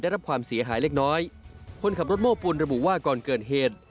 ได้รับความเสียหายเล็กน้อยคนขับรถโม้ปูนระบุว่าก่อนเกิดเหตุ